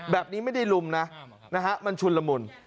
แบบนี้ไม่ได้ลุมนะมันชุนละมุน